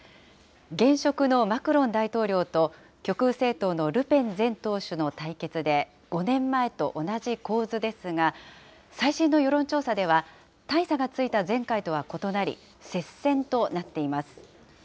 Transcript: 現職のマクロン大統領と、極右政党のルペン前党首の対決で、５年前と同じ構図ですが、最新の世論調査では、大差がついた前回とは異なり、接戦となっています。